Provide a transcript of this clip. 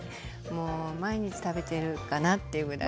もう毎日食べてるかなっていうぐらい。